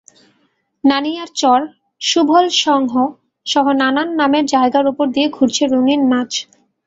নানিয়ার চর, শুভলংসহ নানান নামের জায়গার ওপর দিয়ে ঘুরছে রঙিন মাছ।